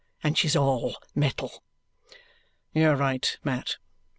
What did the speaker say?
And she's ALL metal!" "You are right, Mat!"